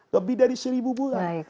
lebih dari seribu bulan